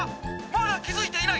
まだ気付いていない！